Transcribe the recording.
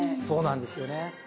そうなんですよね。